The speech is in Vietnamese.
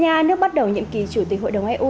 tây ban nha nước bắt đầu nhiệm kỳ chủ tịch hội đồng eu